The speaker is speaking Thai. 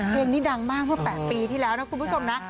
เพลงนี้ดังมากเมื่อ๘ปีที่แล้วนะคุณผู้ชมนะ